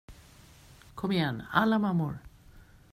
Kom igen, alla mammor.